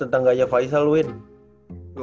tentang gajah faisal winn